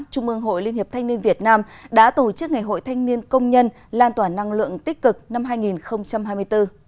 trung mương hội liên hiệp thanh niên việt nam đã tổ chức ngày hội thanh niên công nhân lan tỏa năng lượng tích cực năm hai nghìn hai mươi bốn